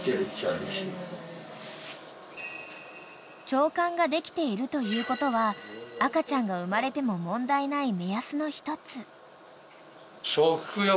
［腸管ができているということは赤ちゃんが産まれても問題ない目安の１つ］